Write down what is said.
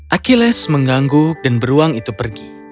achilles mengganggu dan beruang itu pergi